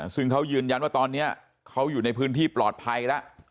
ซึ่งเขายืนยันว่าตอนนี้เขาอยู่ในพื้นที่ปลอดภัยแล้ว